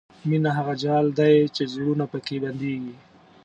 مینه هغه جال دی چې زړونه پکې بندېږي.